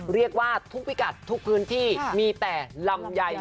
เรียกว่าทุกพิกัดทุกพื้นที่มีแต่ลำไย